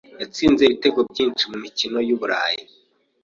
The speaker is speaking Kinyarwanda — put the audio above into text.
Yatsinze ibitego byinshi mu mikino y’iburayi